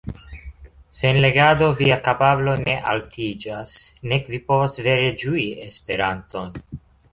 Sen legado via kapablo ne altiĝas, nek vi povas vere ĝui Esperanton.